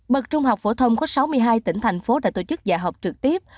bậc trung học phổ thông có sáu mươi hai tỉnh thành phố đã tổ chức dạy học trực tiếp